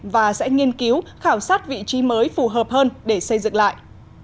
và sẽ nghiên cứu khảo sát vị trí mới phù hợp hơn để xây dựng lại